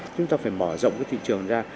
chúng ta phải mở rộng cái thị trường ra